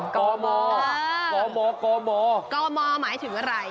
กอโมหมายถึงอะไร